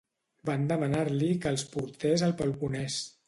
Van demanar-li que els portés al Peloponès.